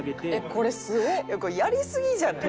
これやりすぎじゃない？